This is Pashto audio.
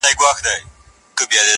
د وحشت؛ په ښاریه کي زندگي ده~